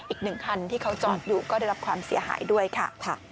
อีกหนึ่งคันที่เขาจอดอยู่ก็ได้รับความเสียหายด้วยค่ะ